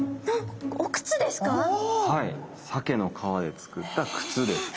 はいサケの皮で作った靴です。